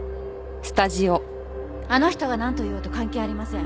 あの人がなんと言おうと関係ありません。